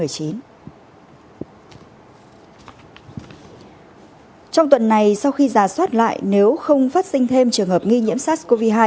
trong tuần này sau khi giả soát lại nếu không phát sinh thêm trường hợp nghi nhiễm sars cov hai